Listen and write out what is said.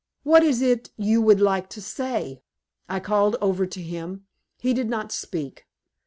"What is it you would like to say?" I called over to him. He did not speak.